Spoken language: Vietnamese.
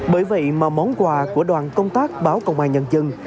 bởi vậy mà món quà của đoàn công tác báo công an nhân dân